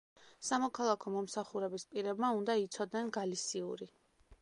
სამოქალაქო მომსახურების პირებმა უნდა იცოდნენ გალისიური.